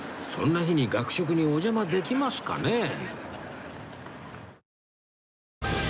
そんな日に学食にお邪魔できますかね？